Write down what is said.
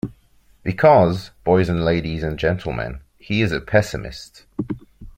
Because, boys and ladies and gentlemen, he is a pessimist.